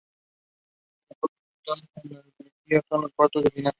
Su mejor resultado en la Euroliga son los cuartos de final.